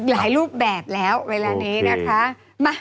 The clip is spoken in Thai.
หลายรูปแบบแล้วเวลานี้นะคะ